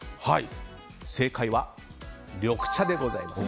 正解は、緑茶でございます。